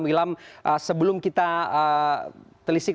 wilam sebelum kita telisik